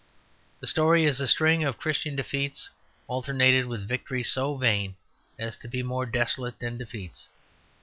The story is a string of Christian defeats alternated with victories so vain as to be more desolate than defeats.